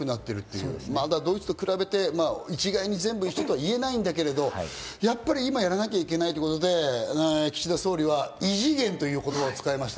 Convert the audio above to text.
ドイツと一概に全部一緒とは言えないけど、今やっぱりやらなきゃいけないってことで岸田総理は異次元という言葉を使いました。